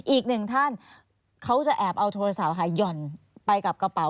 อีกหนึ่งท่านเขาจะแอบเอาโทรศัพท์ค่ะหย่อนไปกับกระเป๋า